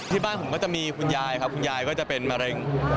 ที่บ้านผมก็จะมีคุณยายครับคุณยายก็จะเป็นมะเร็ง